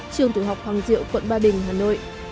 trường tiểu học hoàng diệu quận ba đình hà nội